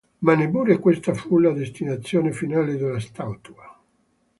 Ma neppure questa fu la destinazione finale della statua.